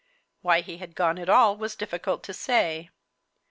Why he had gone at all was difficult to say.